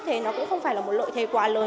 thì nó cũng không phải là một lợi thế quá lớn